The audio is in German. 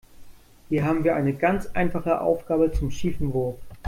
Hier haben wir eine ganz einfache Aufgabe zum schiefen Wurf.